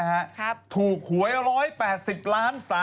หูลุ่นหูรูดเรียบร้อยแล้วนะ